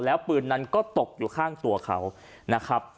แล้วปืนนั้นก็ตกอยู่ข้างตัวเขานะครับ